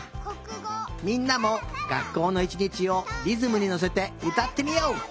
みんなもがっこうのいちにちをリズムにのせてうたってみよう。